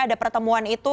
ada pertemuan itu